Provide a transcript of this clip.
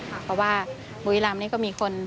เพราะว่าบุรีรำนี่ก็มีคน